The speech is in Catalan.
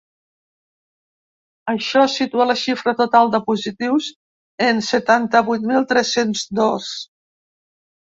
Això situa la xifra total de positius en setanta-vuit mil tres-cents dos.